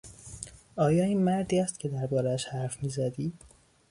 آیا این مردی است که دربارهاش حرف میزدی؟